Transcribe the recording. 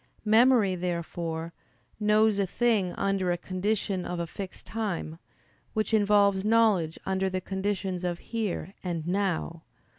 Memory, therefore, knows a thing under a condition of a fixed time; which involves knowledge under the conditions of "here" and "now."